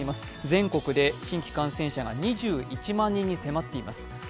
全国で新規感染者が２１万人に迫っています。